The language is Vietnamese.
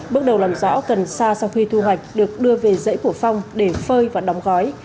bước đầu làm rõ cần sa sau khi thu hoạch được đưa về rễ của phong để phơi và đóng gói